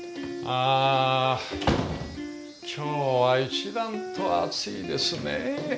あ今日は一段と暑いですね。